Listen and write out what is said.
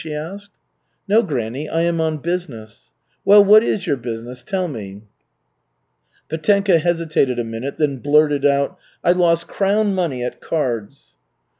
she asked. "No, granny, I am on business." "Well, what is your business? Tell me." Petenka hesitated a minute, then blurted out: "I lost crown money at cards."